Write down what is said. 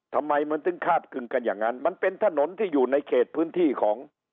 ทำไมมันถึงคาบกึ่งกันอย่างนั้นมันเป็นถนนที่อยู่ในเขตพื้นที่ของ